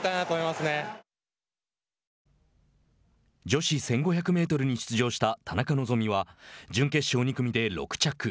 女子１５００メートルに出場した田中希実は準決勝２組で６着。